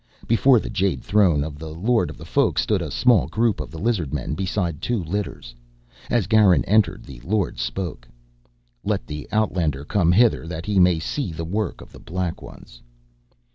Before the jade throne of the Lord of the Folk stood a small group of the lizard men beside two litters. As Garin entered the Lord spoke. "Let the outlander come hither that he may see the work of the Black Ones."